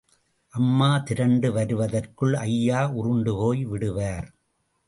அம்மா திரண்டு வருவதற்குள் ஐயா உருண்டுபோய் விடுவார்.